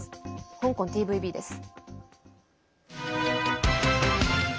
香港ＴＶＢです。